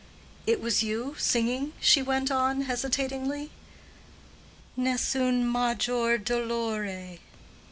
"It was you, singing?" she went on, hesitatingly—"Nessun maggior dolore."